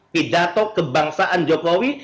pidato kebangsaan jokowi